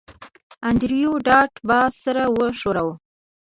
انډریو ډاټ باس سر وښوراوه